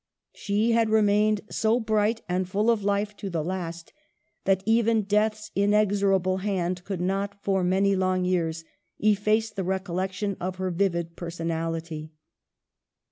She had remained so bright and full of life to the last, that even Death's inexorable hand could not for many long years efface the recollection of her vivid personality.